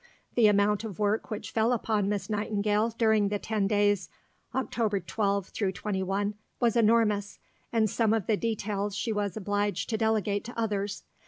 The amount of work which fell upon Miss Nightingale during the ten days (Oct. 12 21) was enormous, and some of the details she was obliged to delegate to others.